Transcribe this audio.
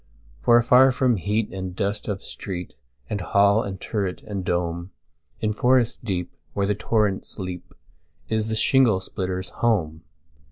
For afar from heat and dust of street, And hall and turret, and dome, In forest deep, where the torrents leap, Is the shingle splitter's home.